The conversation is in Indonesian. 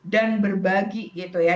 dan berbagi gitu ya